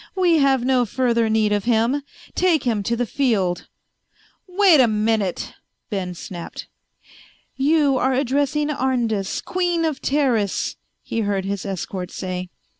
"We have no further need of him. Take him to the field." "Wait a minute," Ben snapped. "You are addressing Arndis, Queen of Teris," he heard his escort say.